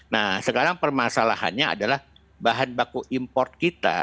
nah sekarang permasalahannya adalah bahan baku import kita